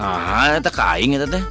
hah teh kaya gitu teh